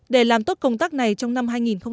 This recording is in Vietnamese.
để làm tốt công tác này trong năm hai nghìn một mươi tám